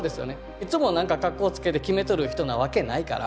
いつもなんか格好をつけてきめとる人なわけないから。